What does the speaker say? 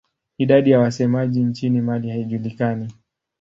Idadi ya wasemaji nchini Mali haijulikani.